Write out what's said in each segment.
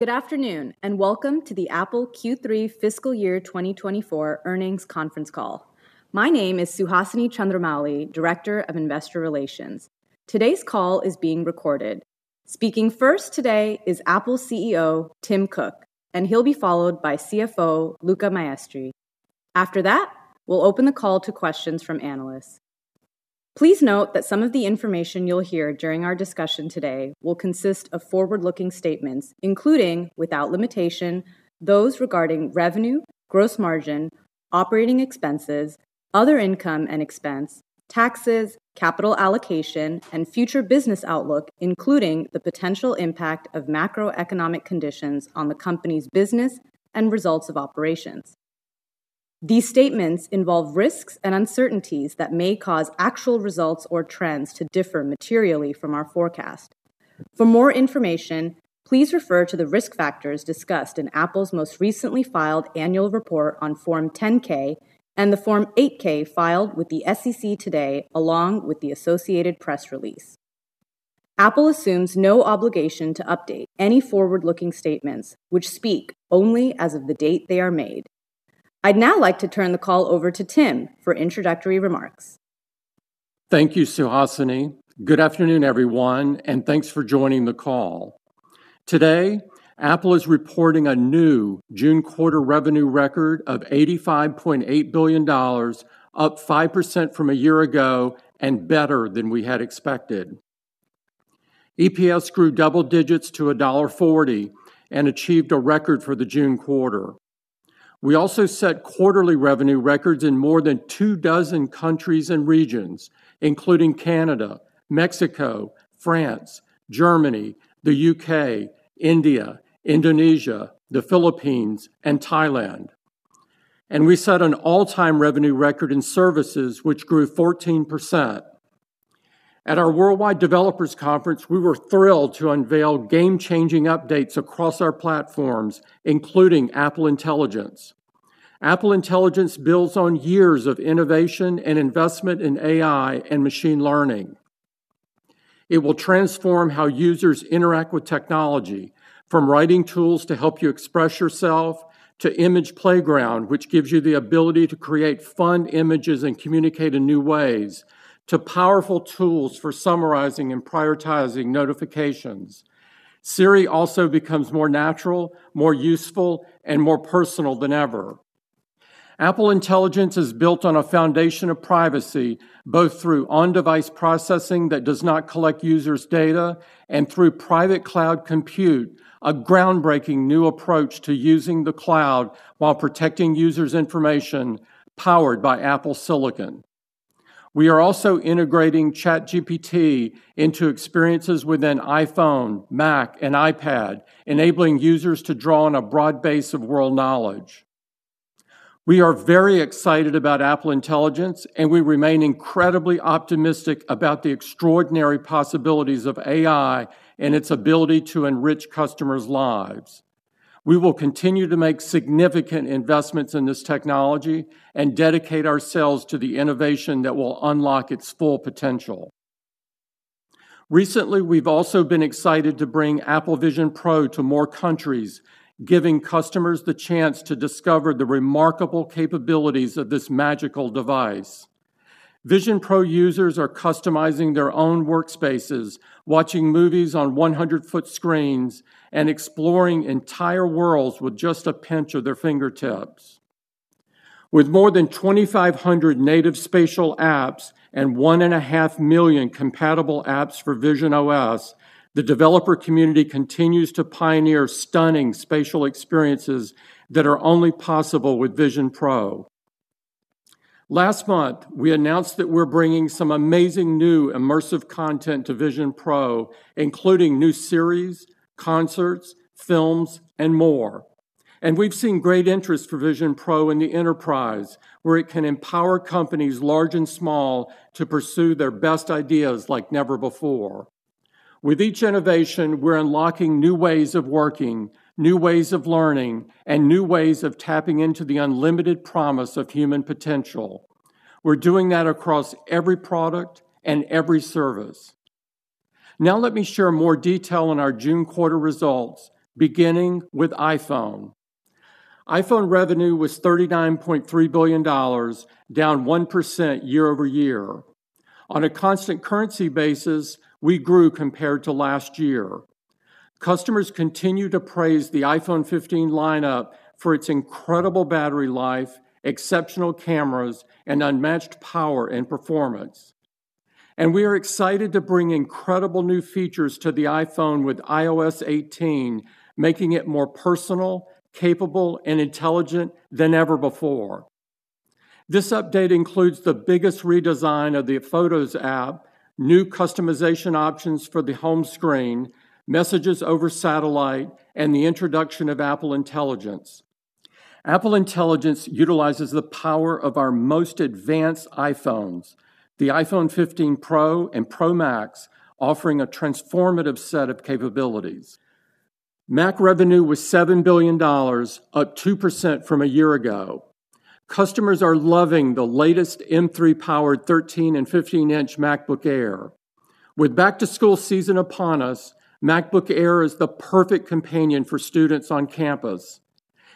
Good afternoon, and welcome to the Apple Q3 Fiscal Year 2024 earnings conference call. My name is Suhasini Chandramouli, Director of Investor Relations. Today's call is being recorded. Speaking first today is Apple CEO Tim Cook, and he'll be followed by CFO Luca Maestri. After that, we'll open the call to questions from analysts. Please note that some of the information you'll hear during our discussion today will consist of forward-looking statements, including, without limitation, those regarding revenue, gross margin, operating expenses, other income and expense, taxes, capital allocation, and future business outlook, including the potential impact of macroeconomic conditions on the company's business and results of operations. These statements involve risks and uncertainties that may cause actual results or trends to differ materially from our forecast. For more information, please refer to the risk factors discussed in Apple's most recently filed annual report on Form 10-K and the Form 8-K filed with the SEC today, along with the associated press release. Apple assumes no obligation to update any forward-looking statements, which speak only as of the date they are made. I'd now like to turn the call over to Tim for introductory remarks. Thank you, Suhasini. Good afternoon, everyone, and thanks for joining the call. Today, Apple is reporting a new June quarter revenue record of $85.8 billion, up 5% from a year ago and better than we had expected. EPS grew double digits to $1.40 and achieved a record for the June quarter. We also set quarterly revenue records in more than two dozen countries and regions, including Canada, Mexico, France, Germany, the UK, India, Indonesia, the Philippines, and Thailand. We set an all-time revenue record in services, which grew 14%. At our Worldwide Developers Conference, we were thrilled to unveil game-changing updates across our platforms, including Apple Intelligence. Apple Intelligence builds on years of innovation and investment in AI and machine learning. It will transform how users interact with technology, from Writing Tools to help you express yourself, to Image Playground, which gives you the ability to create fun images and communicate in new ways, to powerful tools for summarizing and prioritizing notifications. Siri also becomes more natural, more useful, and more personal than ever. Apple Intelligence is built on a foundation of privacy, both through on-device processing that does not collect users' data and through Private Cloud Compute, a groundbreaking new approach to using the cloud while protecting users' information, powered by Apple silicon. We are also integrating ChatGPT into experiences within iPhone, Mac, and iPad, enabling users to draw on a broad base of world knowledge. We are very excited about Apple Intelligence, and we remain incredibly optimistic about the extraordinary possibilities of AI and its ability to enrich customers' lives. We will continue to make significant investments in this technology and dedicate ourselves to the innovation that will unlock its full potential. Recently, we've also been excited to bring Apple Vision Pro to more countries, giving customers the chance to discover the remarkable capabilities of this magical device. Vision Pro users are customizing their own workspaces, watching movies on 100-foot screens, and exploring entire worlds with just a pinch of their fingertips. With more than 2,500 native spatial apps and 1.5 million compatible apps for visionOS, the developer community continues to pioneer stunning spatial experiences that are only possible with Vision Pro. Last month, we announced that we're bringing some amazing new immersive content to Vision Pro, including new series, concerts, films, and more. We've seen great interest for Vision Pro in the enterprise, where it can empower companies large and small to pursue their best ideas like never before. With each innovation, we're unlocking new ways of working, new ways of learning, and new ways of tapping into the unlimited promise of human potential. We're doing that across every product and every service. Now let me share more detail on our June quarter results, beginning with iPhone. iPhone revenue was $39.3 billion, down 1% year-over-year. On a constant currency basis, we grew compared to last year. Customers continue to praise the iPhone 15 lineup for its incredible battery life, exceptional cameras, and unmatched power and performance. We are excited to bring incredible new features to the iPhone with iOS 18, making it more personal, capable, and intelligent than ever before. This update includes the biggest redesign of the Photos app, new customization options for the home screen, messages over satellite, and the introduction of Apple Intelligence. Apple Intelligence utilizes the power of our most advanced iPhones, the iPhone 15 Pro and Pro Max, offering a transformative set of capabilities. Mac revenue was $7 billion, up 2% from a year ago. Customers are loving the latest M3-powered 13 and 15-inch MacBook Air. With back-to-school season upon us, MacBook Air is the perfect companion for students on campus.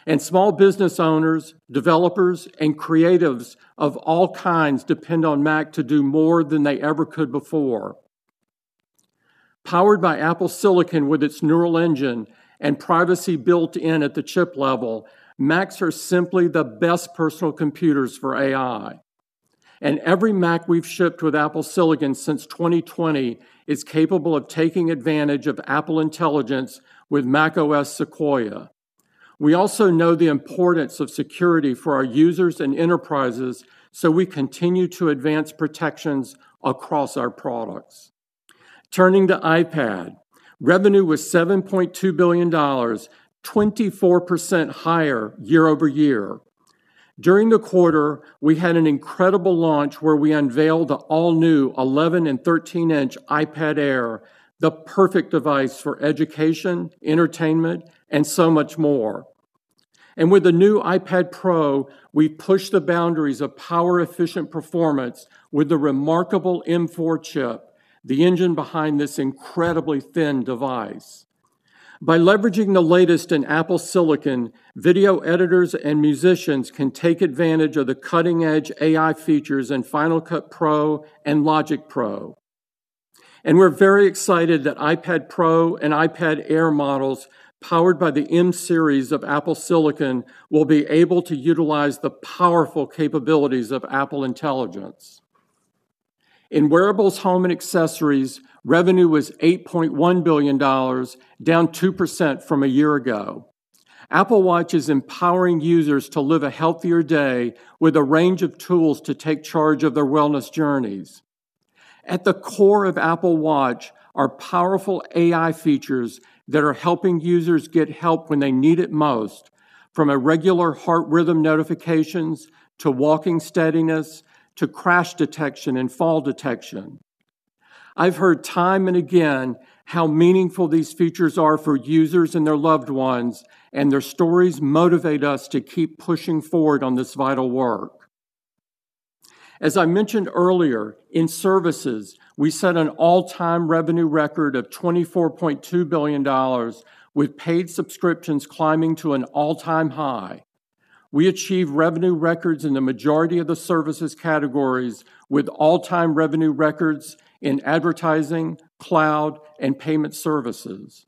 And small business owners, developers, and creatives of all kinds depend on Mac to do more than they ever could before. Powered by Apple silicon with its neural engine and privacy built in at the chip level, Macs are simply the best personal computers for AI. Every Mac we've shipped with Apple silicon since 2020 is capable of taking advantage of Apple Intelligence with macOS Sequoia. We also know the importance of security for our users and enterprises, so we continue to advance protections across our products. Turning to iPad, revenue was $7.2 billion, 24% higher year-over-year. During the quarter, we had an incredible launch where we unveiled the all-new 11- and 13-inch iPad Air, the perfect device for education, entertainment, and so much more. And with the new iPad Pro, we push the boundaries of power-efficient performance with the remarkable M4 chip, the engine behind this incredibly thin device. By leveraging the latest in Apple silicon, video editors and musicians can take advantage of the cutting-edge AI features in Final Cut Pro and Logic Pro. We're very excited that iPad Pro and iPad Air models powered by the M-series of Apple silicon will be able to utilize the powerful capabilities of Apple Intelligence. In wearables, home, and accessories, revenue was $8.1 billion, down 2% from a year ago. Apple Watch is empowering users to live a healthier day with a range of tools to take charge of their wellness journeys. At the core of Apple Watch are powerful AI features that are helping users get help when they need it most, from irregular heart rhythm notifications to walking steadiness to crash detection and fall detection. I've heard time and again how meaningful these features are for users and their loved ones, and their stories motivate us to keep pushing forward on this vital work. As I mentioned earlier, in services, we set an all-time revenue record of $24.2 billion, with paid subscriptions climbing to an all-time high. We achieve revenue records in the majority of the services categories, with all-time revenue records in advertising, cloud, and payment services.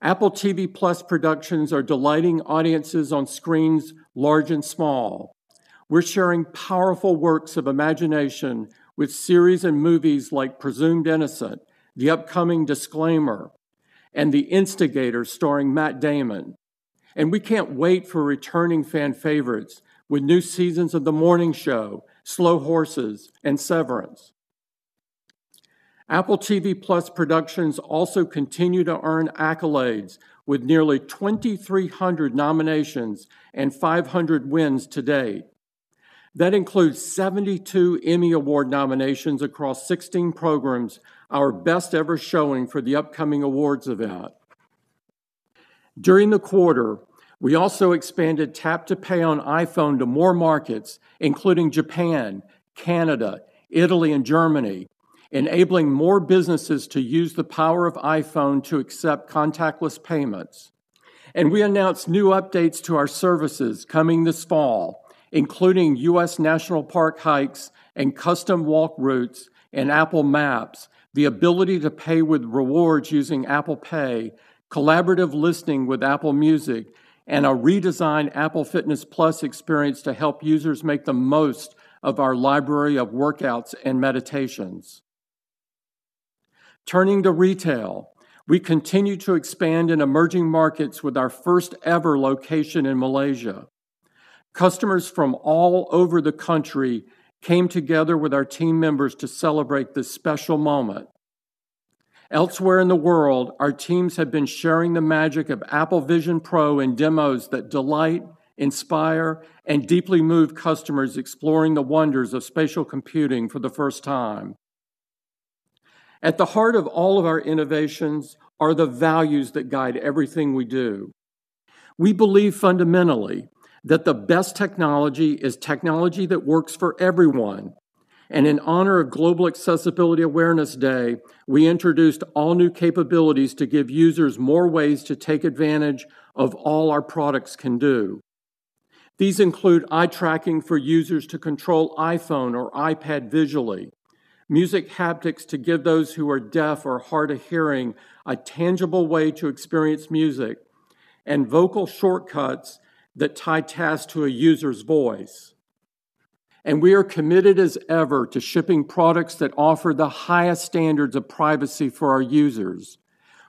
Apple TV+ productions are delighting audiences on screens large and small. We're sharing powerful works of imagination with series and movies like Presumed Innocent, the upcoming Disclaimer, and The Instigators starring Matt Damon. And we can't wait for returning fan favorites with new seasons of The Morning Show, Slow Horses, and Severance. Apple TV+ productions also continue to earn accolades with nearly 2,300 nominations and 500 wins to date. That includes 72 Emmy Award nominations across 16 programs, our best-ever showing for the upcoming awards event. During the quarter, we also expanded tap-to-pay on iPhone to more markets, including Japan, Canada, Italy, and Germany, enabling more businesses to use the power of iPhone to accept contactless payments. We announced new updates to our services coming this fall, including U.S. National Park hikes and custom walk routes and Apple Maps, the ability to pay with rewards using Apple Pay, collaborative listening with Apple Music, and a redesigned Apple Fitness+ experience to help users make the most of our library of workouts and meditations. Turning to retail, we continue to expand in emerging markets with our first-ever location in Malaysia. Customers from all over the country came together with our team members to celebrate this special moment. Elsewhere in the world, our teams have been sharing the magic of Apple Vision Pro in demos that delight, inspire, and deeply move customers exploring the wonders of spatial computing for the first time. At the heart of all of our innovations are the values that guide everything we do. We believe fundamentally that the best technology is technology that works for everyone. And in honor of Global Accessibility Awareness Day, we introduced all new capabilities to give users more ways to take advantage of all our products can do. These include Eye Tracking for users to control iPhone or iPad visually, Music Haptics to give those who are deaf or hard of hearing a tangible way to experience music, and Vocal Shortcuts that tie tasks to a user's voice. And we are committed as ever to shipping products that offer the highest standards of privacy for our users.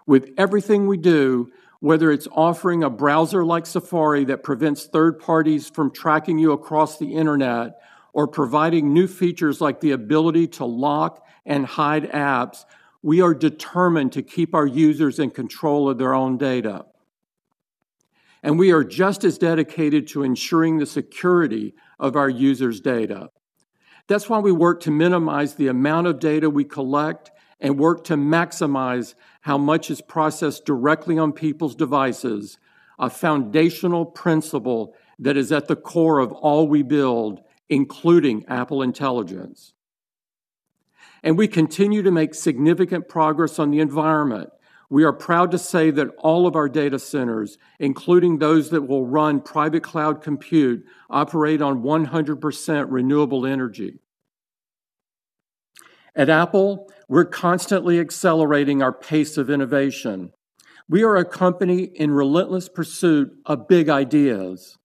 With everything we do, whether it's offering a browser like Safari that prevents third parties from tracking you across the internet or providing new features like the ability to lock and hide apps, we are determined to keep our users in control of their own data. And we are just as dedicated to ensuring the security of our users' data. That's why we work to minimize the amount of data we collect and work to maximize how much is processed directly on people's devices, a foundational principle that is at the core of all we build, including Apple Intelligence. And we continue to make significant progress on the environment. We are proud to say that all of our data centers, including those that will run private cloud compute, operate on 100% renewable energy. At Apple, we're constantly accelerating our pace of innovation. We are a company in relentless pursuit of big ideas.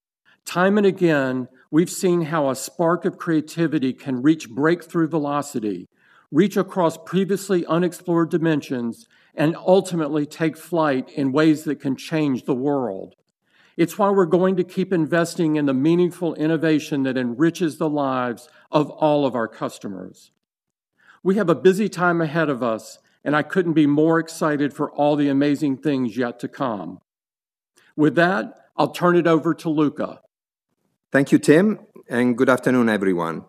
Time and again, we've seen how a spark of creativity can reach breakthrough velocity, reach across previously unexplored dimensions, and ultimately take flight in ways that can change the world. It's why we're going to keep investing in the meaningful innovation that enriches the lives of all of our customers. We have a busy time ahead of us, and I couldn't be more excited for all the amazing things yet to come. With that, I'll turn it over to Luca. Thank you, Tim, and good afternoon, everyone.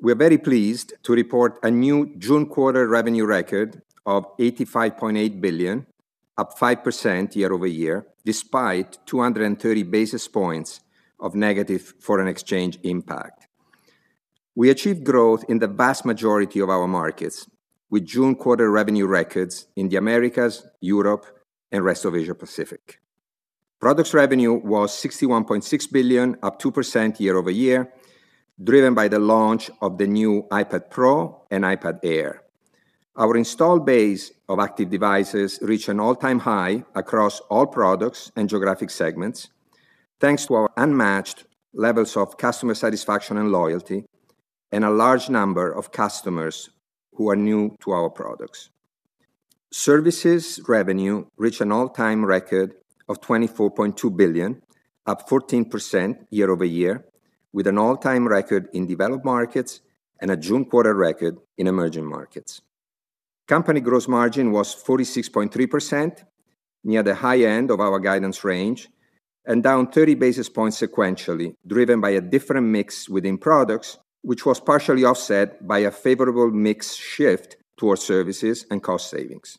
We are very pleased to report a new June quarter revenue record of $85.8 billion, up 5% year-over-year, despite 230 basis points of negative foreign exchange impact. We achieved growth in the vast majority of our markets with June quarter revenue records in the Americas, Europe, and rest of Asia-Pacific. Products revenue was $61.6 billion, up 2% year-over-year, driven by the launch of the new iPad Pro and iPad Air. Our installed base of active devices reached an all-time high across all products and geographic segments, thanks to our unmatched levels of customer satisfaction and loyalty, and a large number of customers who are new to our products. Services revenue reached an all-time record of $24.2 billion, up 14% year-over-year, with an all-time record in developed markets and a June quarter record in emerging markets. Company gross margin was 46.3%, near the high end of our guidance range, and down 30 basis points sequentially, driven by a different mix within products, which was partially offset by a favorable mix shift towards services and cost savings.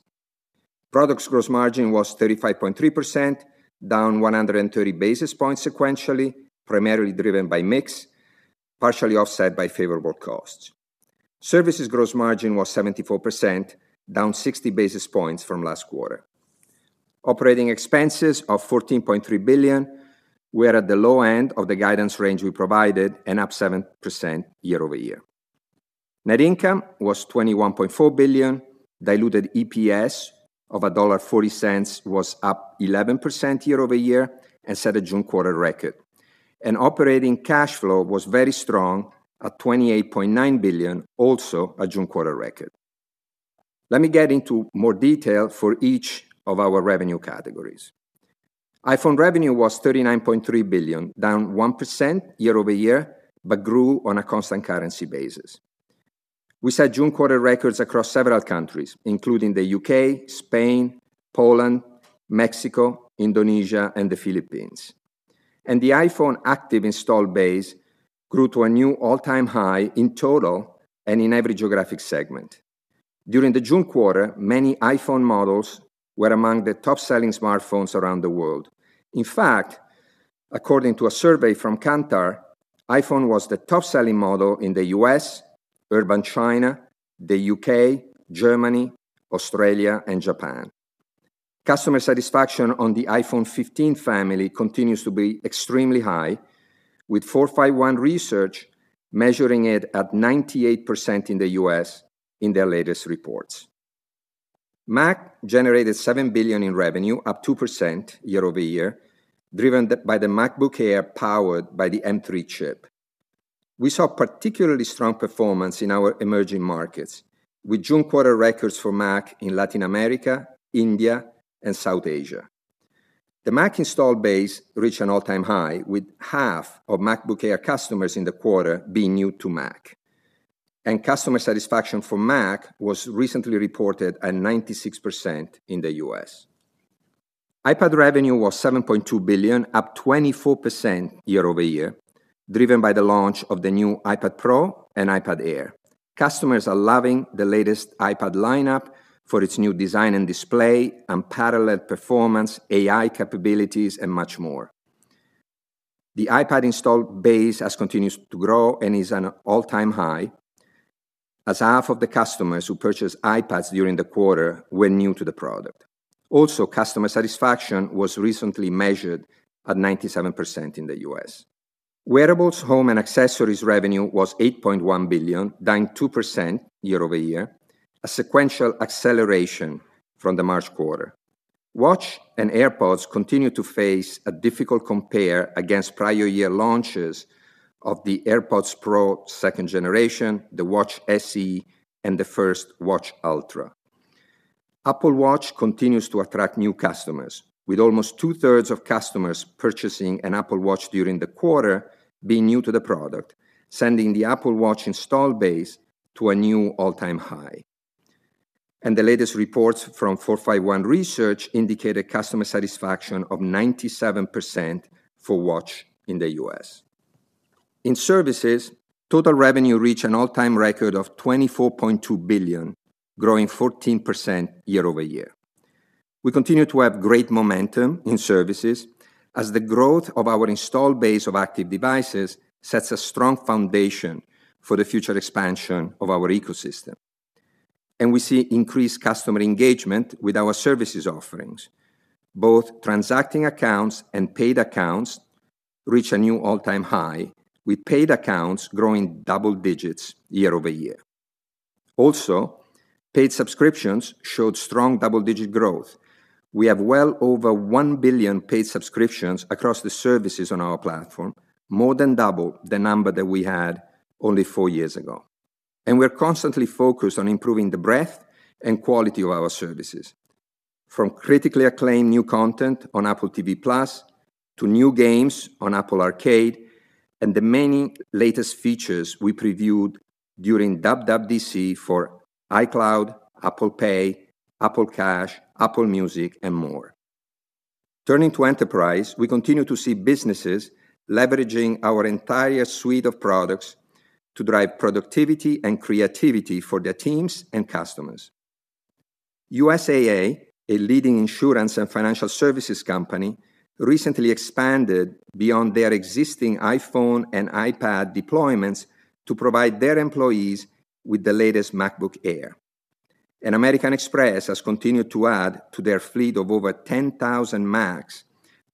Products gross margin was 35.3%, down 130 basis points sequentially, primarily driven by mix, partially offset by favorable costs. Services gross margin was 74%, down 60 basis points from last quarter. Operating expenses of $14.3 billion. We are at the low end of the guidance range we provided and up 7% year-over-year. Net income was $21.4 billion. Diluted EPS of $1.40 was up 11% year-over-year and set a June quarter record. Operating cash flow was very strong, at $28.9 billion, also a June quarter record. Let me get into more detail for each of our revenue categories. iPhone revenue was $39.3 billion, down 1% year-over-year, but grew on a constant currency basis. We set June quarter records across several countries, including the U.K., Spain, Poland, Mexico, Indonesia, and the Philippines. The iPhone active installed base grew to a new all-time high in total and in every geographic segment. During the June quarter, many iPhone models were among the top-selling smartphones around the world. In fact, according to a survey from Kantar, iPhone was the top-selling model in the U.S., Urban China, the U.K., Germany, Australia, and Japan. Customer satisfaction on the iPhone 15 family continues to be extremely high, with 451 Research measuring it at 98% in the U.S. in their latest reports. Mac generated $7 billion in revenue, up 2% year-over-year, driven by the MacBook Air powered by the M3 chip. We saw particularly strong performance in our emerging markets, with June quarter records for Mac in Latin America, India, and South Asia. The Mac installed base reached an all-time high, with half of MacBook Air customers in the quarter being new to Mac. And customer satisfaction for Mac was recently reported at 96% in the U.S. iPad revenue was $7.2 billion, up 24% year-over-year, driven by the launch of the new iPad Pro and iPad Air. Customers are loving the latest iPad lineup for its new design and display, unparalleled performance, AI capabilities, and much more. The iPad installed base has continued to grow and is at an all-time high, as half of the customers who purchased iPads during the quarter were new to the product. Also, customer satisfaction was recently measured at 97% in the U.S. Wearables, home, and accessories revenue was $8.1 billion, down 2% year-over-year, a sequential acceleration from the March quarter. Watch and AirPods continue to face a difficult compare against prior year launches of the AirPods Pro 2nd generation, the Watch SE, and the first Watch Ultra. Apple Watch continues to attract new customers, with almost 2/3 of customers purchasing an Apple Watch during the quarter being new to the product, sending the Apple Watch installed base to a new all-time high. The latest reports from 451 Research indicated customer satisfaction of 97% for Watch in the U.S. In services, total revenue reached an all-time record of $24.2 billion, growing 14% year-over-year. We continue to have great momentum in services as the growth of our installed base of active devices sets a strong foundation for the future expansion of our ecosystem. We see increased customer engagement with our services offerings. Both transacting accounts and paid accounts reach a new all-time high, with paid accounts growing double-digit year-over-year. Paid subscriptions showed strong double-digit growth. We have well over 1 billion paid subscriptions across the services on our platform, more than double the number that we had only four years ago. We're constantly focused on improving the breadth and quality of our services, from critically acclaimed new content on Apple TV+ to new games on Apple Arcade and the many latest features we previewed during WWDC for iCloud, Apple Pay, Apple Cash, Apple Music, and more. Turning to enterprise, we continue to see businesses leveraging our entire suite of products to drive productivity and creativity for their teams and customers. USAA, a leading insurance and financial services company, recently expanded beyond their existing iPhone and iPad deployments to provide their employees with the latest MacBook Air. American Express has continued to add to their fleet of over 10,000 Macs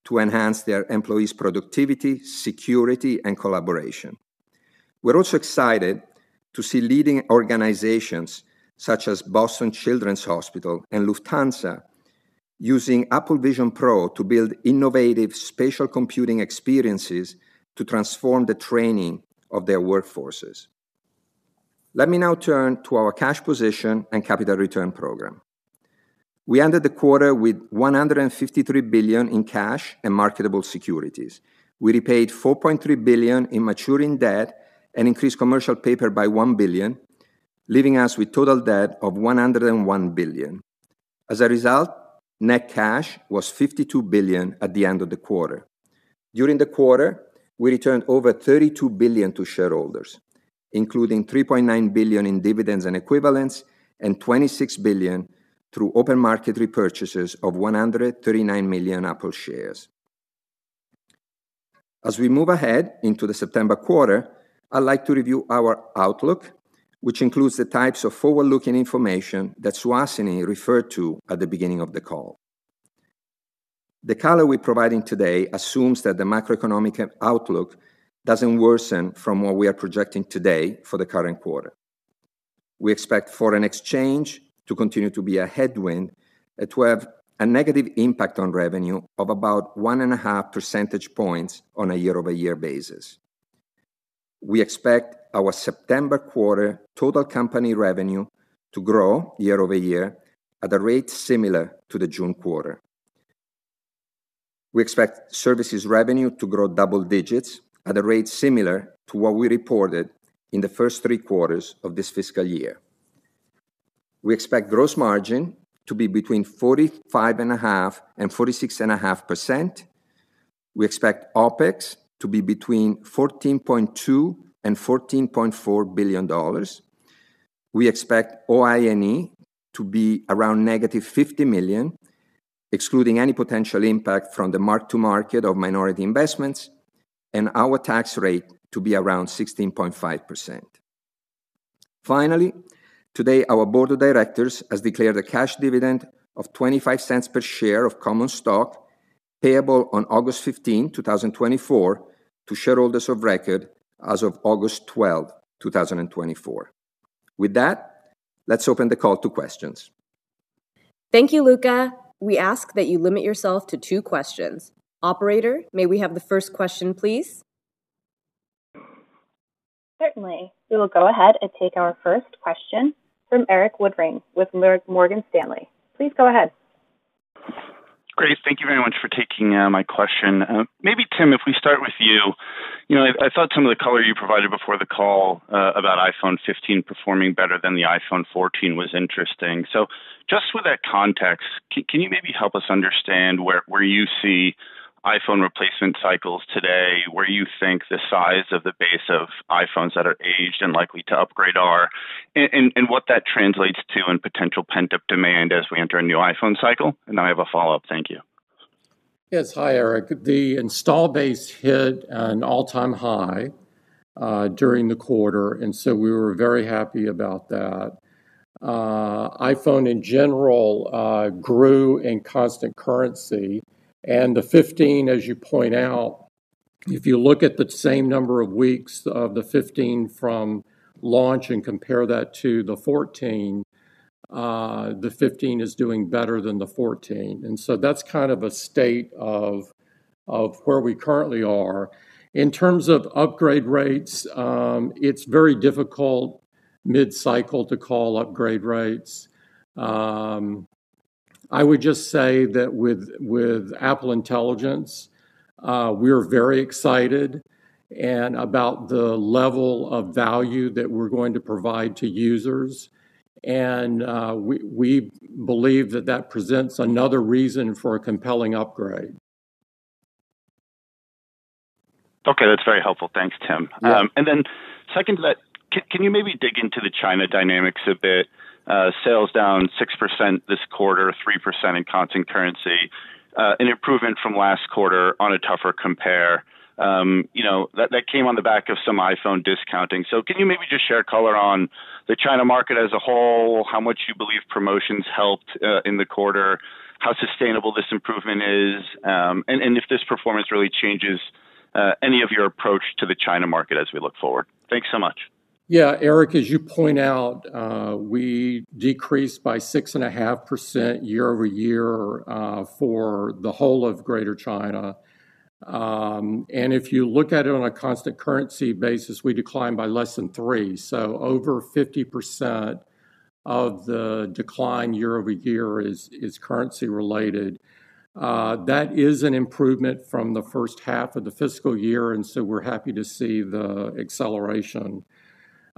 to enhance their employees' productivity, security, and collaboration. We're also excited to see leading organizations such as Boston Children's Hospital and Lufthansa using Apple Vision Pro to build innovative spatial computing experiences to transform the training of their workforces. Let me now turn to our cash position and capital return program. We ended the quarter with $153 billion in cash and marketable securities. We repaid $4.3 billion in maturing debt and increased commercial paper by $1 billion, leaving us with total debt of $101 billion. As a result, net cash was $52 billion at the end of the quarter. During the quarter, we returned over $32 billion to shareholders, including $3.9 billion in dividends and equivalents and $26 billion through open market repurchases of 139 million Apple shares. As we move ahead into the September quarter, I'd like to review our outlook, which includes the types of forward-looking information that Suhasini referred to at the beginning of the call. The color we're providing today assumes that the macroeconomic outlook doesn't worsen from what we are projecting today for the current quarter. We expect foreign exchange to continue to be a headwind and to have a negative impact on revenue of about 1.5 percentage points on a year-over-year basis. We expect our September quarter total company revenue to grow year-over-year at a rate similar to the June quarter. We expect services revenue to grow double digits at a rate similar to what we reported in the first three quarters of this fiscal year. We expect gross margin to be between 45.5%-46.5%. We expect OpEx to be between $14.2 billion-$14.4 billion. We expect OI&E to be around -$50 million, excluding any potential impact from the mark-to-market of minority investments, and our tax rate to be around 16.5%. Finally, today, our board of directors has declared a cash dividend of $0.25 per share of common stock payable on August 15, 2024, to shareholders of record as of August 12, 2024. With that, let's open the call to questions. Thank you, Luca. We ask that you limit yourself to two questions. Operator, may we have the first question, please? Certainly. We will go ahead and take our first question from Erik Woodring with Morgan Stanley. Please go ahead. Great. Thank you very much for taking my question. Maybe, Tim, if we start with you. I thought some of the color you provided before the call about iPhone 15 performing better than the iPhone 14 was interesting. So just with that context, can you maybe help us understand where you see iPhone replacement cycles today, where you think the size of the base of iPhones that are aged and likely to upgrade are, and what that translates to in potential pent-up demand as we enter a new iPhone cycle? And I have a follow-up. Thank you. Yes. Hi, Eric. The installed base hit an all-time high during the quarter, and so we were very happy about that. iPhone, in general, grew in constant currency. And the 15, as you point out, if you look at the same number of weeks of the 15 from launch and compare that to the 14, the 15 is doing better than the 14. And so that's kind of a state of where we currently are. In terms of upgrade rates, it's very difficult mid-cycle to call upgrade rates. I would just say that with Apple Intelligence, we are very excited about the level of value that we're going to provide to users. And we believe that that presents another reason for a compelling upgrade. Okay. That's very helpful. Thanks, Tim. And then second to that, can you maybe dig into the China dynamics a bit? Sales down 6% this quarter, 3% in constant currency, an improvement from last quarter on a tougher compare. That came on the back of some iPhone discounting. So can you maybe just share color on the China market as a whole, how much you believe promotions helped in the quarter, how sustainable this improvement is, and if this performance really changes any of your approach to the China market as we look forward? Thanks so much. Yeah. Eric, as you point out, we decreased by 6.5% year-over-year for the whole of greater China. If you look at it on a constant currency basis, we declined by less than 3%. Over 50% of the decline year-over-year is currency-related. That is an improvement from the first half of the fiscal year, and so we're happy to see the acceleration.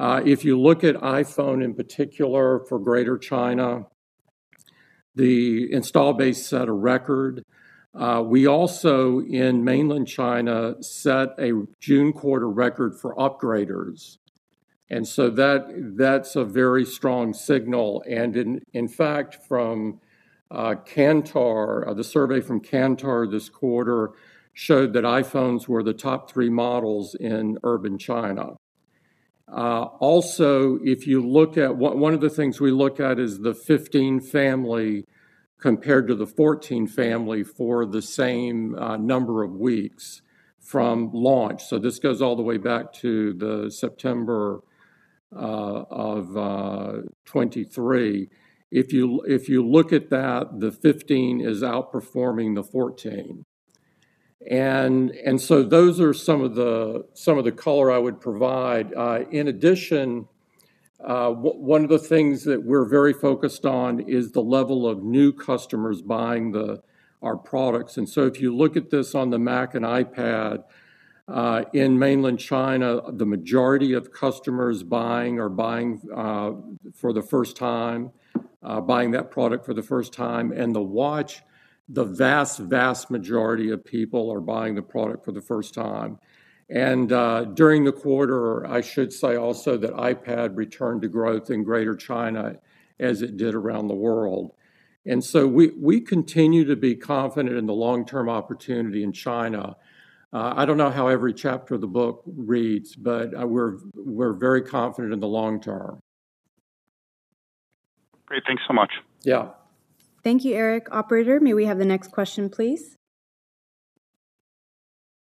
If you look at iPhone in particular for greater China, the installed base set a record. We also, in mainland China, set a June quarter record for upgraders. That's a very strong signal. In fact, from Kantar, the survey from Kantar this quarter showed that iPhones were the top three models in urban China. Also, if you look at one of the things we look at is the 15 family compared to the 14 family for the same number of weeks from launch. So this goes all the way back to September of 2023. If you look at that, the 15 is outperforming the 14. And so those are some of the color I would provide. In addition, one of the things that we're very focused on is the level of new customers buying our products. And so if you look at this on the Mac and iPad, in mainland China, the majority of customers buying or buying for the first time, buying that product for the first time. And the watch, the vast, vast majority of people are buying the product for the first time. During the quarter, I should say also that iPad returned to growth in Greater China as it did around the world. So we continue to be confident in the long-term opportunity in China. I don't know how every chapter of the book reads, but we're very confident in the long term. Great. Thanks so much. Yeah. Thank you, Erik. Operator, may we have the next question, please?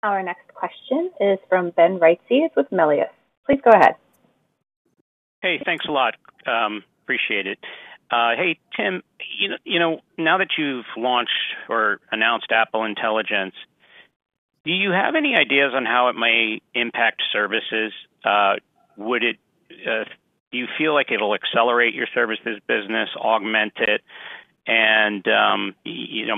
Our next question is from Ben Reitzes, Melius. Please go ahead. Hey, thanks a lot. Appreciate it. Hey, Tim, now that you've launched or announced Apple Intelligence, do you have any ideas on how it may impact services? Do you feel like it'll accelerate your services business, augment it, and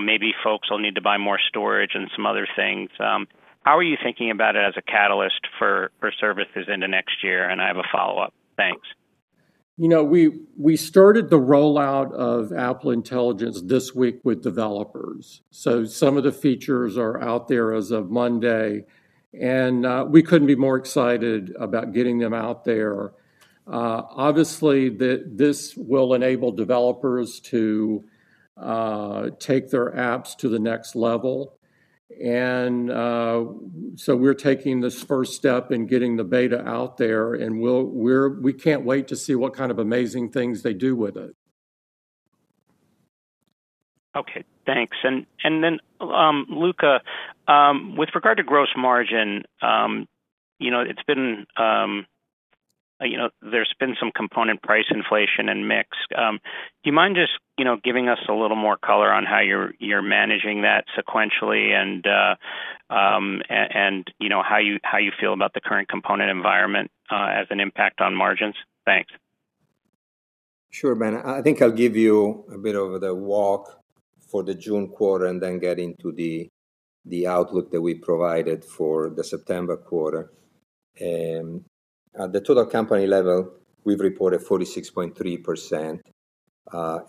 maybe folks will need to buy more storage and some other things? How are you thinking about it as a catalyst for services into next year? And I have a follow-up. Thanks. We started the rollout of Apple Intelligence this week with developers. So some of the features are out there as of Monday. And we couldn't be more excited about getting them out there. Obviously, this will enable developers to take their apps to the next level. And so we're taking this first step in getting the beta out there. And we can't wait to see what kind of amazing things they do with it. Okay. Thanks. And then, Luca, with regard to gross margin, there's been some component price inflation and mix. Do you mind just giving us a little more color on how you're managing that sequentially and how you feel about the current component environment as an impact on margins? Thanks. Sure, man. I think I'll give you a bit of the walk for the June quarter and then get into the outlook that we provided for the September quarter. At the total company level, we've reported 46.3%.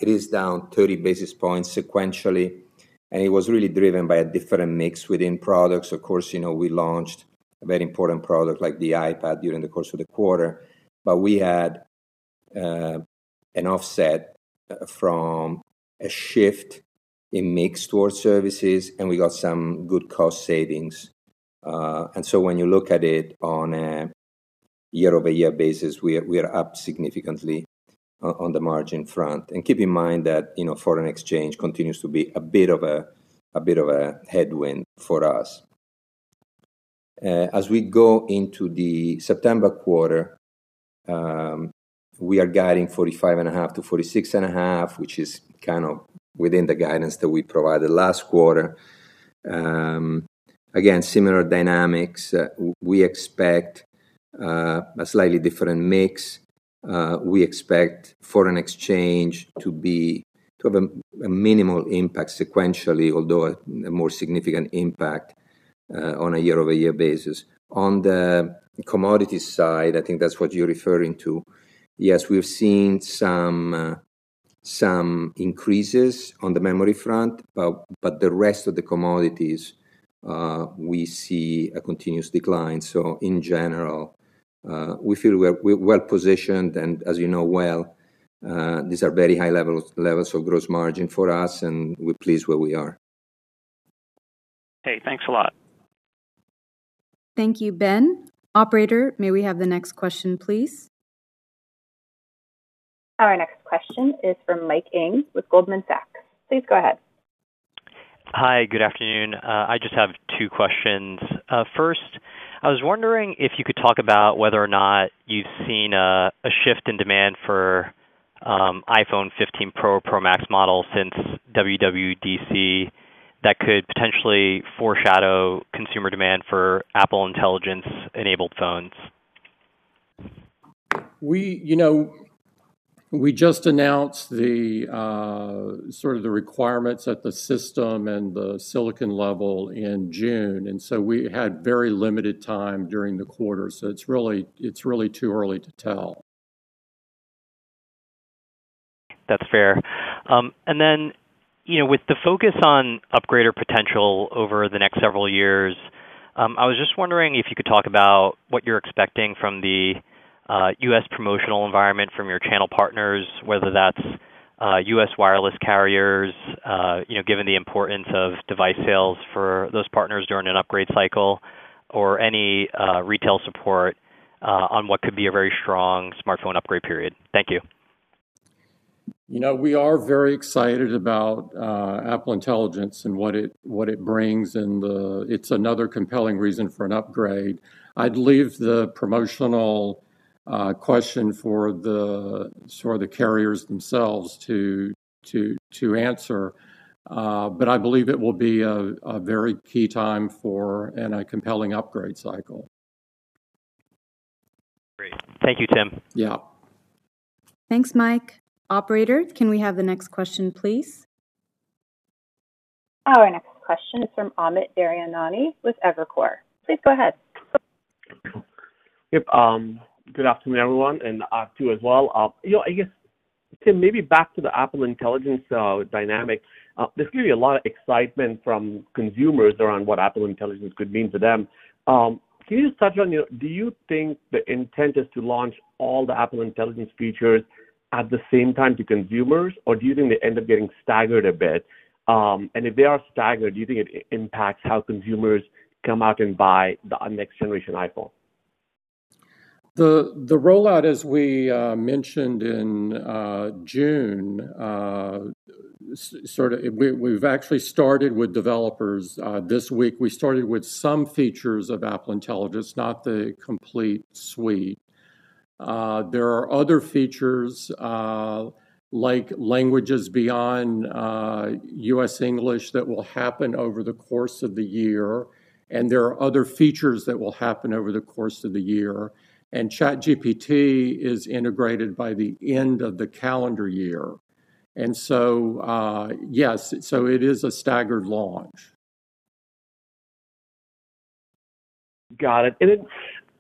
It is down 30 basis points sequentially. And it was really driven by a different mix within products. Of course, we launched a very important product like the iPad during the course of the quarter. But we had an offset from a shift in mix towards services, and we got some good cost savings. And so when you look at it on a year-over-year basis, we are up significantly on the margin front. And keep in mind that foreign exchange continues to be a bit of a headwind for us. As we go into the September quarter, we are guiding 45.5%-46.5%, which is kind of within the guidance that we provided last quarter. Again, similar dynamics. We expect a slightly different mix. We expect foreign exchange to have a minimal impact sequentially, although a more significant impact on a year-over-year basis. On the commodity side, I think that's what you're referring to. Yes, we've seen some increases on the memory front, but the rest of the commodities, we see a continuous decline. So in general, we feel we're well-positioned. And as you know well, these are very high levels of gross margin for us, and we're pleased where we are. Okay. Thanks a lot. Thank you, Ben. Operator, may we have the next question, please? Our next question is from Mike Ng with Goldman Sachs. Please go ahead. Hi. Good afternoon. I just have two questions. First, I was wondering if you could talk about whether or not you've seen a shift in demand for iPhone 15 Pro or Pro Max models since WWDC that could potentially foreshadow consumer demand for Apple Intelligence-enabled phones. We just announced sort of the requirements at the system and the silicon level in June. And so we had very limited time during the quarter. So it's really too early to tell. That's fair. And then with the focus on upgrader potential over the next several years, I was just wondering if you could talk about what you're expecting from the U.S. promotional environment from your channel partners, whether that's U.S. wireless carriers, given the importance of device sales for those partners during an upgrade cycle, or any retail support on what could be a very strong smartphone upgrade period. Thank you. We are very excited about Apple Intelligence and what it brings. It's another compelling reason for an upgrade. I'd leave the promotional question for the carriers themselves to answer. I believe it will be a very key time for a compelling upgrade cycle. Great. Thank you, Tim. Yeah. Thanks, Mike. Operator, can we have the next question, please? Our next question is from Amit Daryanani with Evercore. Please go ahead. Yep. Good afternoon, everyone, and to you as well. I guess, Tim, maybe back to the Apple Intelligence dynamic. There's going to be a lot of excitement from consumers around what Apple Intelligence could mean to them. Can you just touch on, do you think the intent is to launch all the Apple Intelligence features at the same time to consumers, or do you think they end up getting staggered a bit? And if they are staggered, do you think it impacts how consumers come out and buy the next-generation iPhone? The rollout, as we mentioned in June, we've actually started with developers this week. We started with some features of Apple Intelligence, not the complete suite. There are other features like languages beyond U.S. English that will happen over the course of the year. And there are other features that will happen over the course of the year. And ChatGPT is integrated by the end of the calendar year. And so yes, so it is a staggered launch. Got it. And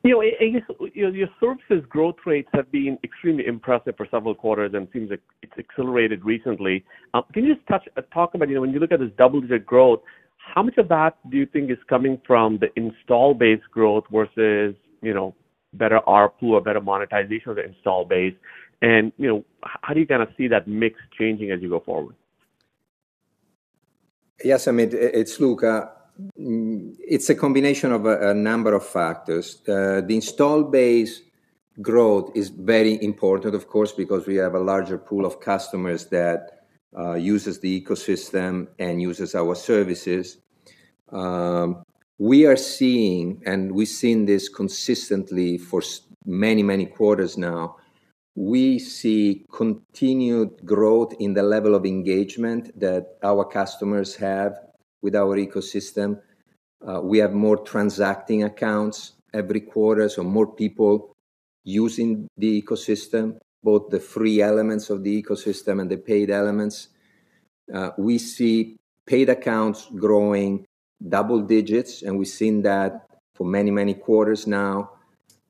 I guess your services growth rates have been extremely impressive for several quarters and seem like it's accelerated recently. Can you just talk about when you look at this double-digit growth, how much of that do you think is coming from the installed base growth versus better ARPU or better monetization of the installed base? And how do you kind of see that mix changing as you go forward? Yes. I mean, it's Luca, it's a combination of a number of factors. The installed base growth is very important, of course, because we have a larger pool of customers that uses the ecosystem and uses our services. We are seeing, and we've seen this consistently for many, many quarters now. We see continued growth in the level of engagement that our customers have with our ecosystem. We have more transacting accounts every quarter, so more people using the ecosystem, both the free elements of the ecosystem and the paid elements. We see paid accounts growing double digits, and we've seen that for many, many quarters now.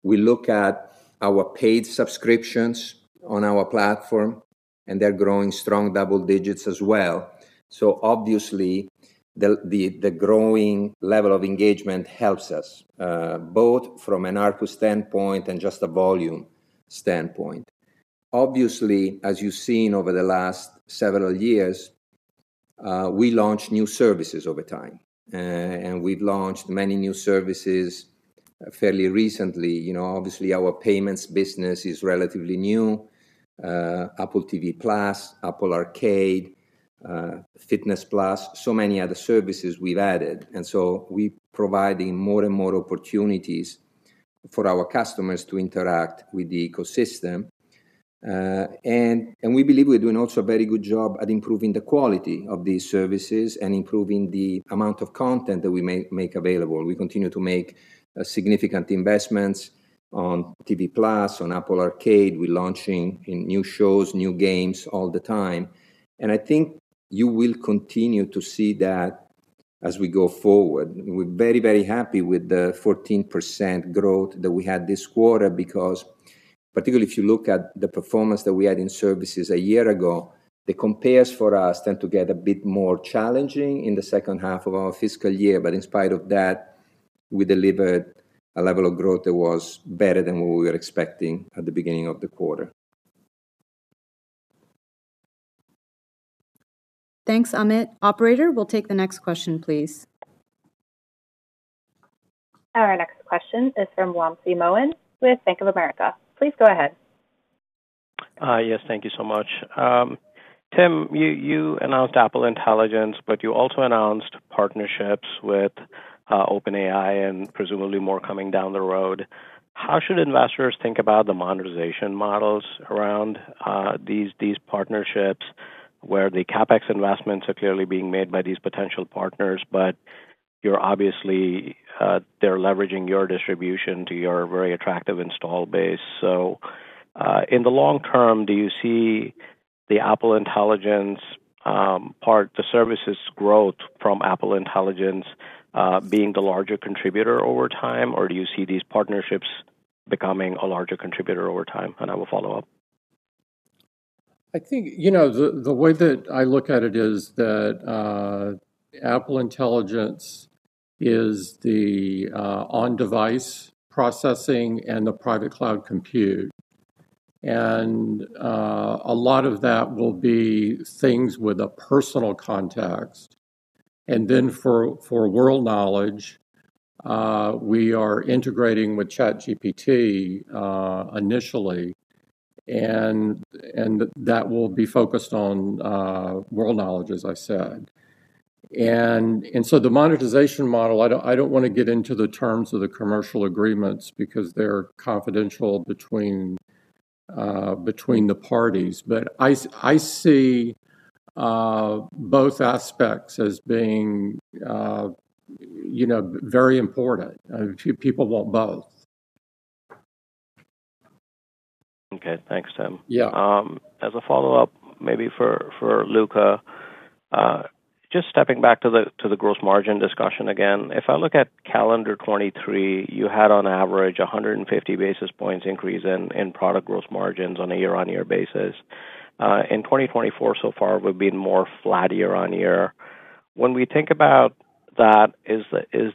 We look at our paid subscriptions on our platform, and they're growing strong double digits as well. So obviously, the growing level of engagement helps us both from an ARPU standpoint and just a volume standpoint. Obviously, as you've seen over the last several years, we launched new services over time. And we've launched many new services fairly recently. Obviously, our payments business is relatively new: Apple TV+, Apple Arcade, Fitness+, so many other services we've added. And so we're providing more and more opportunities for our customers to interact with the ecosystem. And we believe we're doing also a very good job at improving the quality of these services and improving the amount of content that we make available. We continue to make significant investments on TV+, on Apple Arcade. We're launching new shows, new games all the time. And I think you will continue to see that as we go forward. We're very, very happy with the 14% growth that we had this quarter because, particularly if you look at the performance that we had in services a year ago, the compares for us tend to get a bit more challenging in the second half of our fiscal year. But in spite of that, we delivered a level of growth that was better than what we were expecting at the beginning of the quarter. Thanks, Amit. Operator, we'll take the next question, please. Our next question is from Wamsi Mohan with Bank of America. Please go ahead. Yes. Thank you so much. Tim, you announced Apple Intelligence, but you also announced partnerships with OpenAI and presumably more coming down the road. How should investors think about the monetization models around these partnerships where the CapEx investments are clearly being made by these potential partners? But obviously, they're leveraging your distribution to your very attractive installed base. So in the long term, do you see the Apple Intelligence part, the services growth from Apple Intelligence being the larger contributor over time, or do you see these partnerships becoming a larger contributor over time? And I will follow up. I think the way that I look at it is that Apple Intelligence is the on-device processing and the private cloud compute. And a lot of that will be things with a personal context. And then for world knowledge, we are integrating with ChatGPT initially. And that will be focused on world knowledge, as I said. The monetization model, I don't want to get into the terms of the commercial agreements because they're confidential between the parties. But I see both aspects as being very important. People want both. Okay. Thanks, Tim. As a follow-up, maybe for Luca, just stepping back to the gross margin discussion again, if I look at calendar 2023, you had, on average, a 150 basis points increase in product gross margins on a year-on-year basis. In 2024, so far, we've been more flat year-on-year. When we think about that, is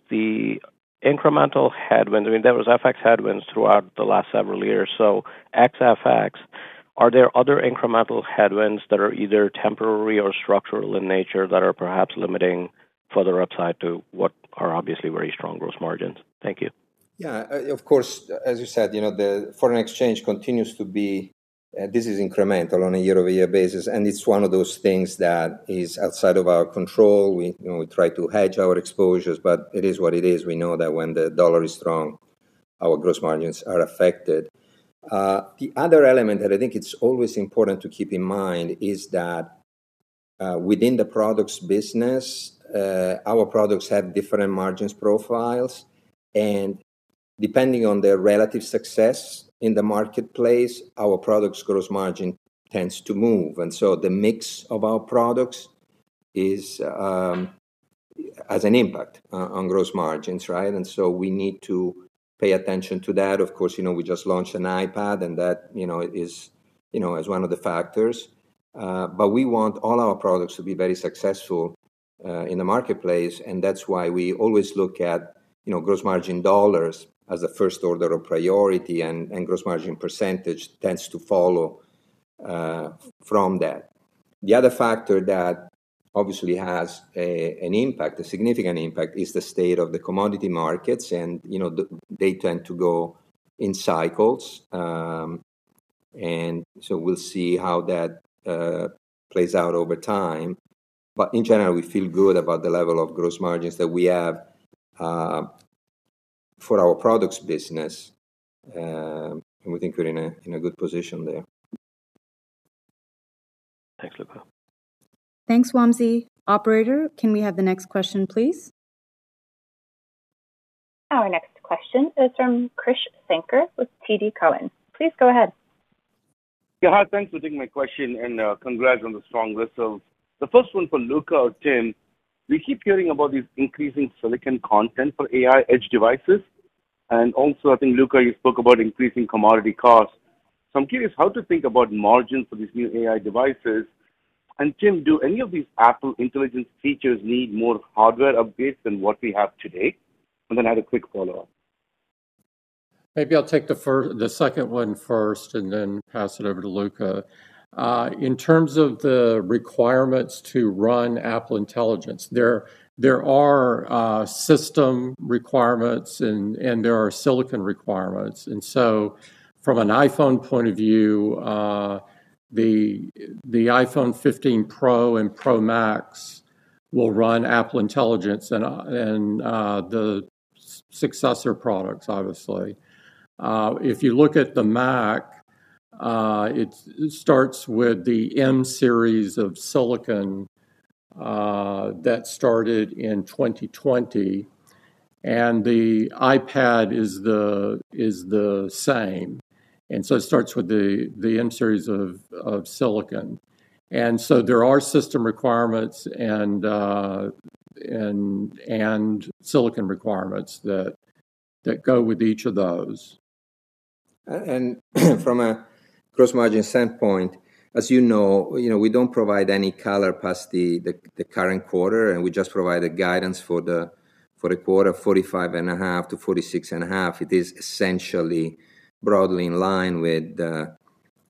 the incremental headwinds? I mean, there was FX headwinds throughout the last several years. So FX, are there other incremental headwinds that are either temporary or structural in nature that are perhaps limiting further upside to what are obviously very strong gross margins? Thank you. Yeah. Of course, as you said, the foreign exchange continues to be, this is incremental on a year-over-year basis. It's one of those things that is outside of our control. We try to hedge our exposures, but it is what it is. We know that when the dollar is strong, our gross margins are affected. The other element that I think it's always important to keep in mind is that within the products business, our products have different margin profiles. Depending on their relative success in the marketplace, our products' gross margin tends to move. The mix of our products has an impact on gross margins, right? We need to pay attention to that. Of course, we just launched an iPad, and that is one of the factors. We want all our products to be very successful in the marketplace. That's why we always look at gross margin dollars as the first order of priority, and gross margin percentage tends to follow from that. The other factor that obviously has an impact, a significant impact, is the state of the commodity markets. They tend to go in cycles. So we'll see how that plays out over time. But in general, we feel good about the level of gross margins that we have for our products business. We think we're in a good position there. Thanks, Luca. Thanks, Wamsi. Operator, can we have the next question, please? Our next question is from Krish Sankar with TD Cowen. Please go ahead. Yeah. Hi. Thanks for taking my question. And congrats on the strong list of the first one for Luca or Tim. We keep hearing about this increasing silicon content for AI edge devices. And also, I think, Luca, you spoke about increasing commodity costs. So I'm curious how to think about margins for these new AI devices. And Tim, do any of these Apple Intelligence features need more hardware updates than what we have today? And then I had a quick follow-up. Maybe I'll take the second one first and then pass it over to Luca. In terms of the requirements to run Apple Intelligence, there are system requirements, and there are silicon requirements. And so from an iPhone point of view, the iPhone 15 Pro and Pro Max will run Apple Intelligence and the successor products, obviously. If you look at the Mac, it starts with the M-series of silicon that started in 2020. And the iPad is the same. And so it starts with the M-series of silicon. There are system requirements and silicon requirements that go with each of those. From a gross margin standpoint, as you know, we don't provide any color past the current quarter. We just provide the guidance for the quarter of 45.5%-46.5%. It is essentially broadly in line with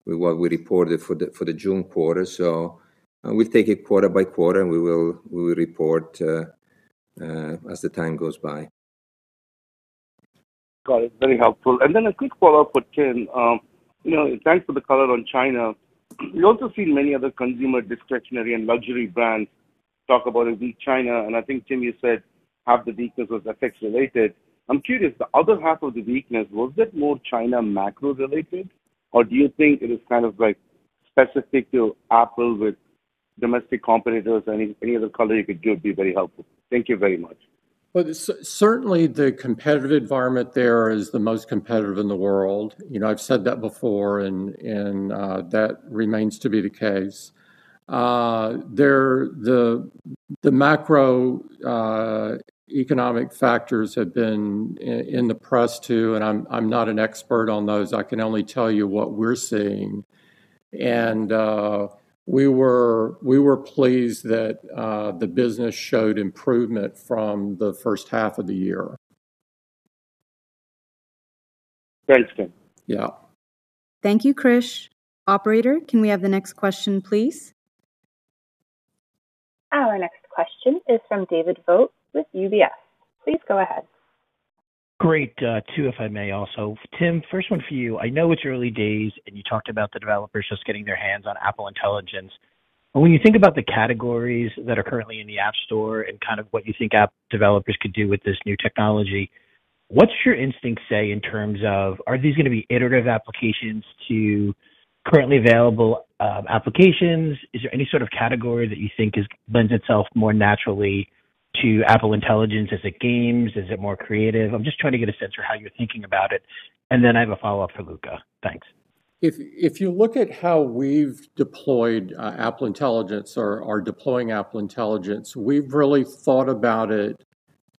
what we reported for the June quarter. We'll take it quarter-by-quarter, and we will report as the time goes by. Got it. Very helpful. Then a quick follow-up for Tim. Thanks for the color on China. We also see many other consumer discretionary and luxury brands talk about it being China. I think, Tim, you said half the weakness was FX-related. I'm curious, the other half of the weakness, was it more China macro-related, or do you think it is kind of specific to Apple with domestic competitors? Any other color you could give would be very helpful. Thank you very much. Well, certainly, the competitive environment there is the most competitive in the world. I've said that before, and that remains to be the case. The macroeconomic factors have been in the press too, and I'm not an expert on those. I can only tell you what we're seeing. And we were pleased that the business showed improvement from the first half of the year. Thanks, Tim. Yeah. Thank you, Krish. Operator, can we have the next question, please? Our next question is from David Vogt with UBS. Please go ahead. Great too, if I may also. Tim, first one for you. I know it's early days, and you talked about the developers just getting their hands on Apple Intelligence. But when you think about the categories that are currently in the App Store and kind of what you think app developers could do with this new technology, what's your instinct say in terms of, are these going to be iterative applications to currently available applications? Is there any sort of category that you think lends itself more naturally to Apple Intelligence? Is it games? Is it more creative? I'm just trying to get a sense of how you're thinking about it. And then I have a follow-up for Luca. Thanks. If you look at how we've deployed Apple Intelligence or are deploying Apple Intelligence, we've really thought about it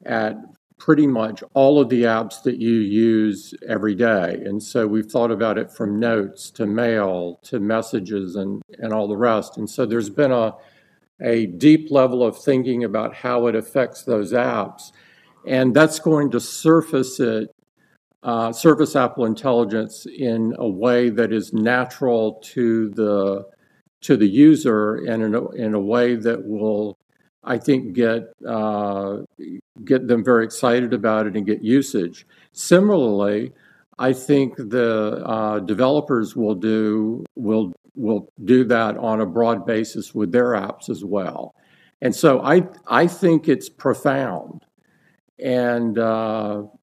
at pretty much all of the apps that you use every day. And so we've thought about it from Notes to Mail to Messages and all the rest. And so there's been a deep level of thinking about how it affects those apps. And that's going to surface Apple Intelligence in a way that is natural to the user and in a way that will, I think, get them very excited about it and get usage. Similarly, I think the developers will do that on a broad basis with their apps as well. And so I think it's profound. And we'll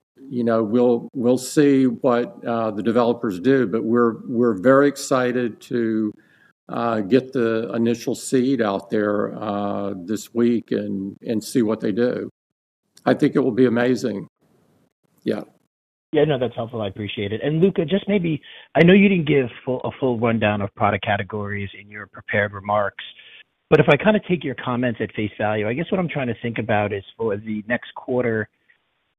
see what the developers do. But we're very excited to get the initial seed out there this week and see what they do. I think it will be amazing. Yeah. Yeah. No, that's helpful. I appreciate it. And Luca, just maybe I know you didn't give a full rundown of product categories in your prepared remarks. But if I kind of take your comments at face value, I guess what I'm trying to think about is for the next quarter,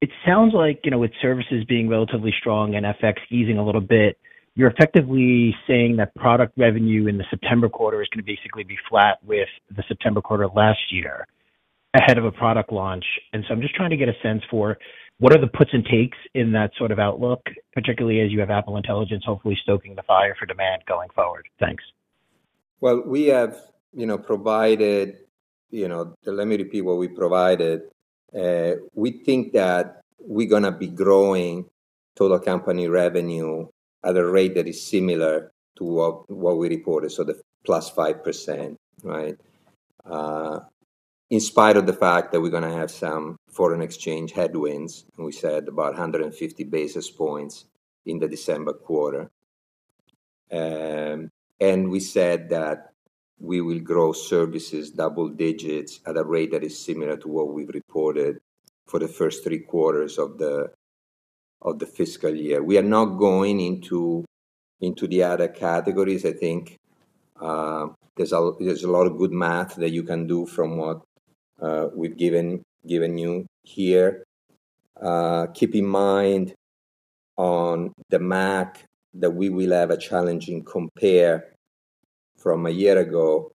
it sounds like with services being relatively strong and FX easing a little bit, you're effectively saying that product revenue in the September quarter is going to basically be flat with the September quarter last year ahead of a product launch. And so I'm just trying to get a sense for what are the puts and takes in that sort of outlook, particularly as you have Apple Intelligence hopefully stoking the fire for demand going forward. Thanks. Well, we have provided. Let me repeat what we provided. We think that we're going to be growing total company revenue at a rate that is similar to what we reported, so the +5%, right, in spite of the fact that we're going to have some foreign exchange headwinds. We said about 150 basis points in the December quarter. We said that we will grow services double digits at a rate that is similar to what we've reported for the first three quarters of the fiscal year. We are not going into the other categories. I think there's a lot of good math that you can do from what we've given you here. Keep in mind on the Mac that we will have a challenge in comparison from a year ago,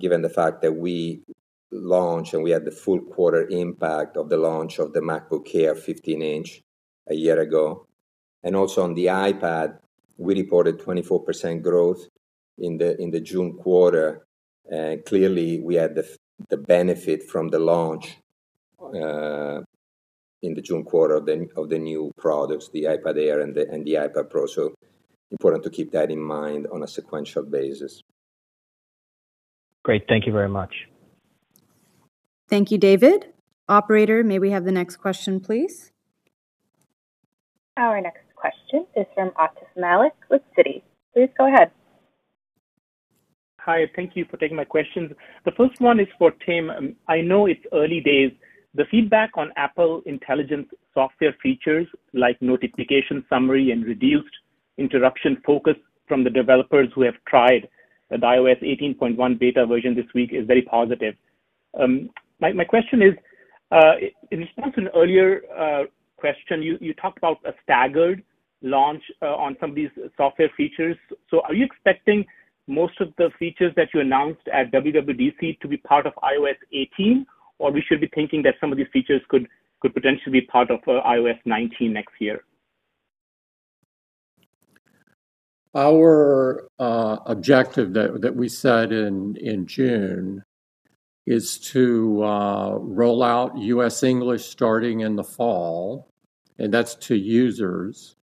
given the fact that we launched and we had the full quarter impact of the launch of the MacBook Air 15-inch a year ago. Also on the iPad, we reported 24% growth in the June quarter. Clearly, we had the benefit from the launch in the June quarter of the new products, the iPad Air and the iPad Pro. So important to keep that in mind on a sequential basis. Great. Thank you very much. Thank you, David. Operator, may we have the next question, please? Our next question is from Atif Malik with Citi. Please go ahead. Hi. Thank you for taking my questions. The first one is for Tim. I know it's early days. The feedback on Apple Intelligence software features like notification summary and reduced interruption focus from the developers who have tried the iOS 18.1 beta version this week is very positive. My question is, in response to an earlier question, you talked about a staggered launch on some of these software features. So are you expecting most of the features that you announced at WWDC to be part of iOS 18, or we should be thinking that some of these features could potentially be part of iOS 19 next year? Our objective that we set in June is to roll out U.S. English starting in the fall, and that's to users,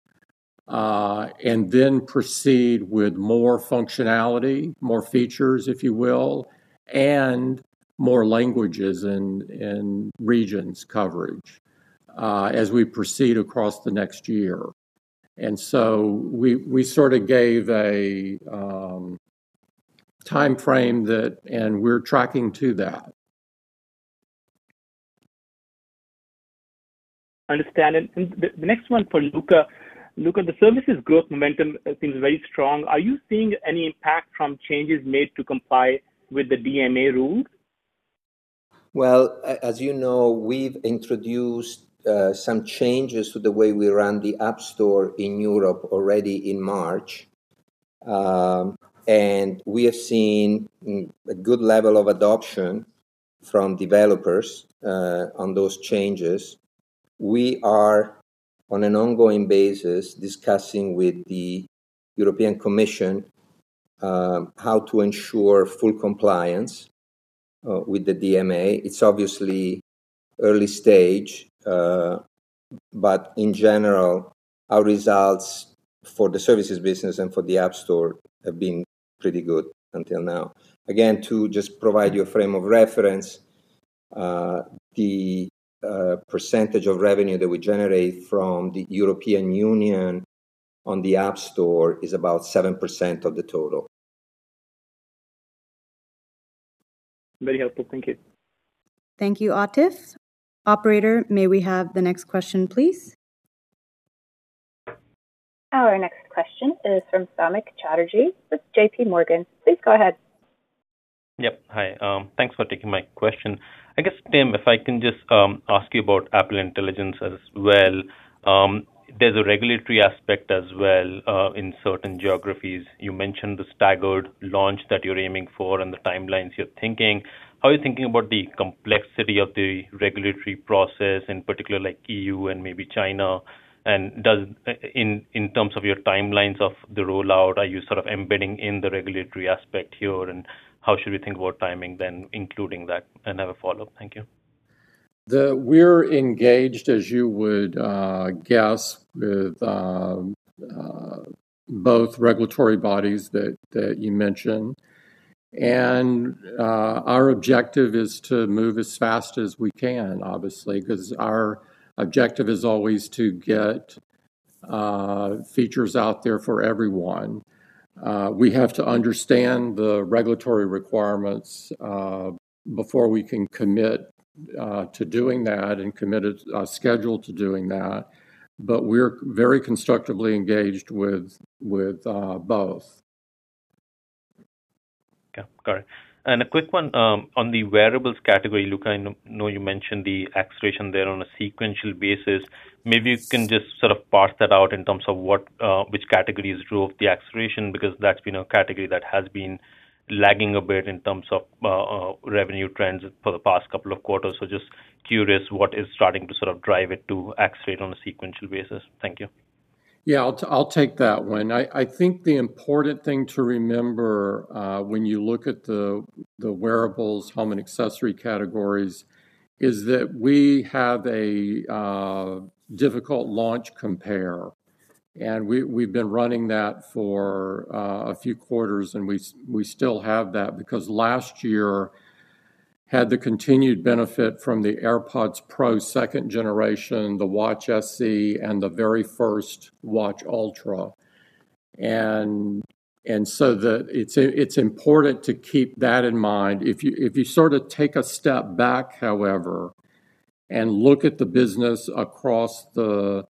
and then proceed with more functionality, more features, if you will, and more languages and regions coverage as we proceed across the next year. And so we sort of gave a timeframe that. And we're tracking to that. Understand it. And the next one for Luca. Luca, the services growth momentum seems very strong. Are you seeing any impact from changes made to comply with the DMA rules? Well, as you know, we've introduced some changes to the way we run the App Store in Europe already in March. And we have seen a good level of adoption from developers on those changes. We are, on an ongoing basis, discussing with the European Commission how to ensure full compliance with the DMA. It's obviously early stage. But in general, our results for the services business and for the App Store have been pretty good until now. Again, to just provide you a frame of reference, the percentage of revenue that we generate from the European Union on the App Store is about 7% of the total. Very helpful. Thank you. Thank you, Atif. Operator, may we have the next question, please? Our next question is from Samik Chatterjee with JPMorgan. Please go ahead. Yep. Hi. Thanks for taking my question. I guess, Tim, if I can just ask you about Apple Intelligence as well. There's a regulatory aspect as well in certain geographies. You mentioned the staggered launch that you're aiming for and the timelines you're thinking. How are you thinking about the complexity of the regulatory process, in particular EU and maybe China? In terms of your timelines of the rollout, are you sort of embedding in the regulatory aspect here? How should we think about timing then, including that? And have a follow-up. Thank you. We're engaged, as you would guess, with both regulatory bodies that you mentioned. Our objective is to move as fast as we can, obviously, because our objective is always to get features out there for everyone. We have to understand the regulatory requirements before we can commit to doing that and commit a schedule to doing that. But we're very constructively engaged with both. Yeah. Got it. A quick one on the wearables category. Luca, I know you mentioned the acceleration there on a sequential basis. Maybe you can just sort of parse that out in terms of which categories drove the acceleration because that's been a category that has been lagging a bit in terms of revenue trends for the past couple of quarters. So just curious what is starting to sort of drive it to accelerate on a sequential basis. Thank you. Yeah. I'll take that one. I think the important thing to remember when you look at the wearables, home and accessory categories, is that we have a difficult launch compare. And we've been running that for a few quarters, and we still have that because last year had the continued benefit from the AirPods Pro 2nd generation, the Watch SE, and the very first Watch Ultra. And so it's important to keep that in mind. If you sort of take a step back, however, and look at the business across the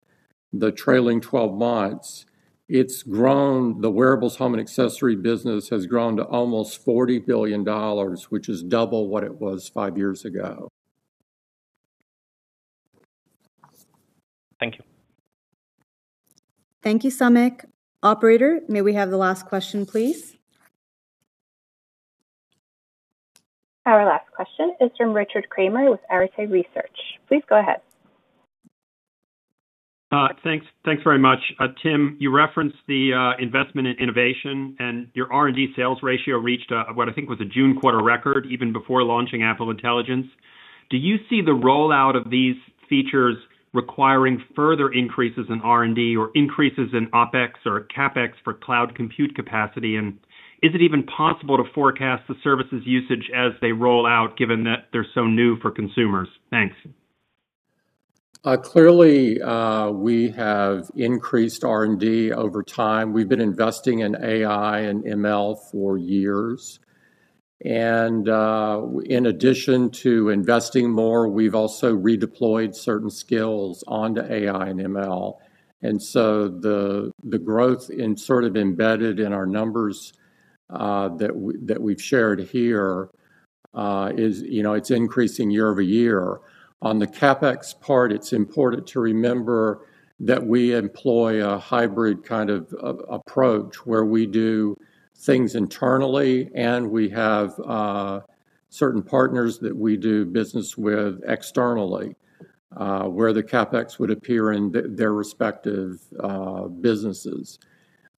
trailing 12 months, the wearables, home and accessory business has grown to almost $40 billion, which is double what it was 5 years ago. Thank you. Thank you, Samik. Operator, may we have the last question, please? Our last question is from Richard Kramer with Arete Research. Please go ahead. Thanks very much. Tim, you referenced the investment in innovation, and your R&D sales ratio reached what I think was a June quarter record even before launching Apple Intelligence. Do you see the rollout of these features requiring further increases in R&D or increases in OpEx or CapEx for cloud compute capacity? And is it even possible to forecast the services usage as they roll out given that they're so new for consumers? Thanks. Clearly, we have increased R&D over time. We've been investing in AI and ML for years. And in addition to investing more, we've also redeployed certain skills onto AI and ML. And so the growth sort of embedded in our numbers that we've shared here is it's increasing year-over-year. On the CapEx part, it's important to remember that we employ a hybrid kind of approach where we do things internally, and we have certain partners that we do business with externally where the CapEx would appear in their respective businesses.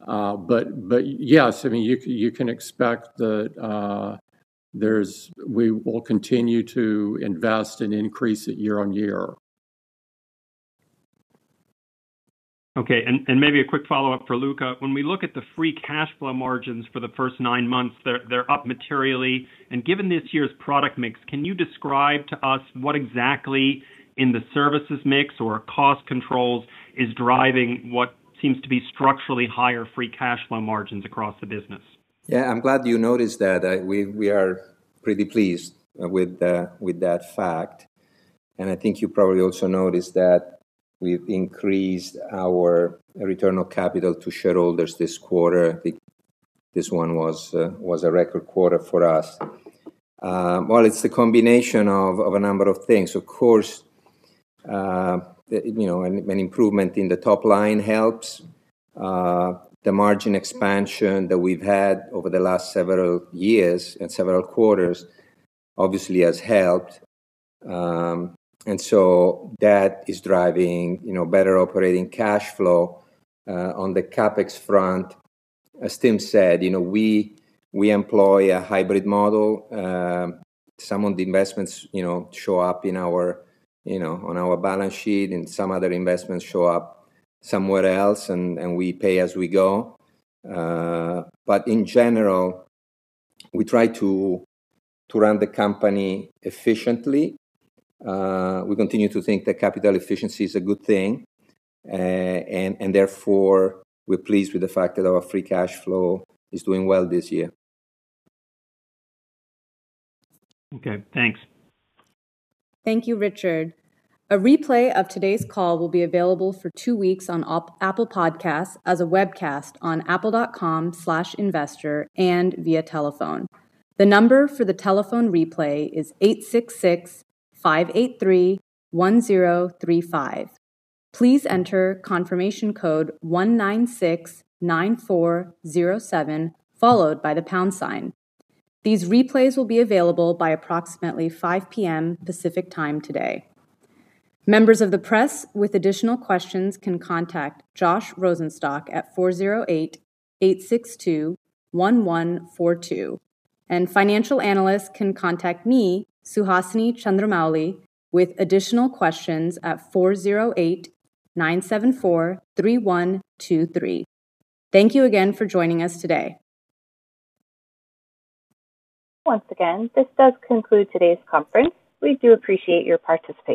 But yes, I mean, you can expect that we will continue to invest and increase it year-on-year. Okay. And maybe a quick follow-up for Luca. When we look at the free cash flow margins for the first nine months, they're up materially. And given this year's product mix, can you describe to us what exactly in the services mix or cost controls is driving what seems to be structurally higher free cash flow margins across the business? Yeah. I'm glad you noticed that. We are pretty pleased with that fact. And I think you probably also noticed that we've increased our return of capital to shareholders this quarter. This one was a record quarter for us. Well, it's a combination of a number of things. Of course, an improvement in the top line helps. The margin expansion that we've had over the last several years and several quarters, obviously, has helped. And so that is driving better operating cash flow on the CapEx front. As Tim said, we employ a hybrid model. Some of the investments show up on our balance sheet, and some other investments show up somewhere else, and we pay as we go. But in general, we try to run the company efficiently. We continue to think that capital efficiency is a good thing. And therefore, we're pleased with the fact that our free cash flow is doing well this year. Okay. Thanks. Thank you, Richard. A replay of today's call will be available for two weeks on Apple Podcasts as a webcast on apple.com/investor and via telephone. The number for the telephone replay is 866-583-1035. Please enter confirmation code 1969407 followed by the pound sign. These replays will be available by approximately 5:00 P.M. Pacific Time today. Members of the press with additional questions can contact Josh Rosenstock at 408-862-1142. And financial analysts can contact me, Suhasini Chandramouli, with additional questions at 408-974-3123. Thank you again for joining us today. Once again, this does conclude today's conference. We do appreciate your participation.